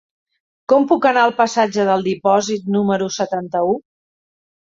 Com puc anar al passatge del Dipòsit número setanta-u?